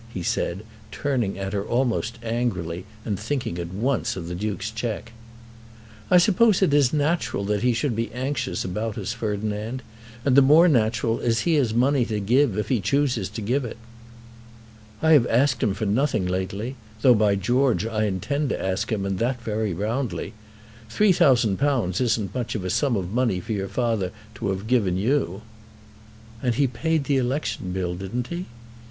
he said, turning at her almost angrily and thinking at once of the Duke's cheque. "I suppose it is natural that he should be anxious about us, Ferdinand; and the more natural as he has money to give if he chooses to give it." "I have asked him for nothing lately; though, by George, I intend to ask him and that very roundly. Three thousand pounds isn't much of a sum of money for your father to have given you." "And he paid the election bill; didn't he?"